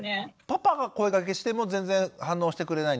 パパが声がけしても全然反応してくれないんですか？